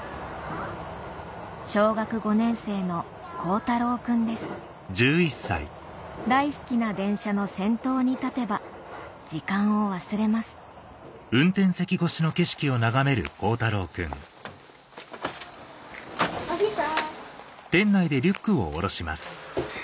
小学５年生の大好きな電車の先頭に立てば時間を忘れますおひさ。